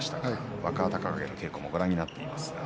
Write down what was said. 若隆景の稽古もご覧なっています。